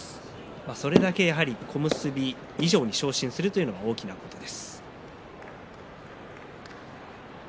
それだけ小結以上に昇進するというのは大きなことです。